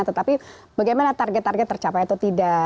tetapi bagaimana target target tercapai atau tidak